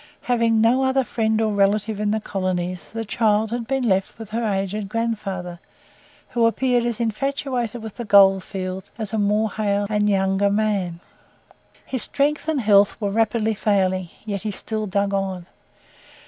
Having no other friend or relative in the colonies, the child had been left with her aged grandfather, who appeared as infatuated with the gold fields as a more hale and younger man. His strength and health were rapidly failing, yet he still dug on.